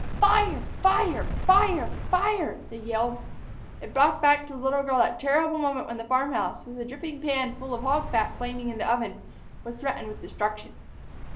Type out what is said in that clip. "Fire! Fire! Fire! Fire!" they yelled. It brought back to the little girl that terrible moment when the farm house, with a dripping pan full of hog fat flaming in the oven, was threatened with destruction.